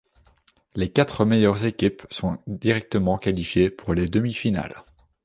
Les quatre meilleures équipes sont directement qualifiées pour les demi-finales.